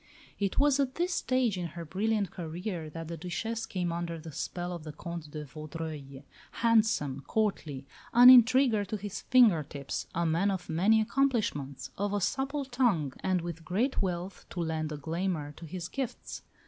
It was at this stage in her brilliant career that the Duchesse came under the spell of the Comte de Vaudreuil handsome, courtly, an intriguer to his finger tips, a man of many accomplishments, of a supple tongue, and with great wealth to lend a glamour to his gifts.